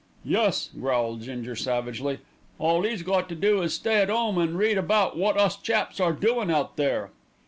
"Yus!" growled Ginger savagely. "All 'e's got to do is to stay at 'ome an' read about wot us chaps are doin' out there."